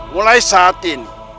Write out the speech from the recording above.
mulai saat ini